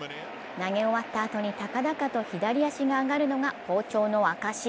投げ終わったあとに高々と左足が上がるのが好調の証し。